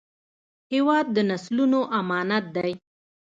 هېواد د نسلونو امانت دی.